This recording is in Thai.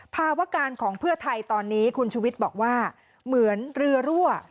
ภาวการของเพื่อไทยตอนนี้คุณชุวิตบอกว่าเหมือนเรือรั่ว